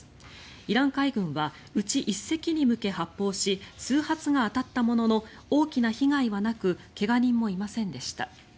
イラン海軍はうち１隻に向けて発砲し数発が当たったものの大きな被害はなく怪我人もいませんでした。